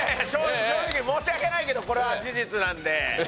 正直申し訳ないけどこれは事実なんで。